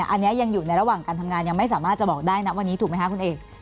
อันนี้ยังอยู่ในระหว่างการทำงานยังไม่สามารถจะบอกได้นะวันนี้ถูกไหมคะคุณเอก